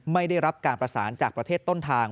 ไม่ได้รับการประสานจากประเทศต้นทาง